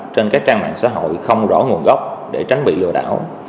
trên các trang mạng xã hội không rõ nguồn gốc để tránh bị lừa đảo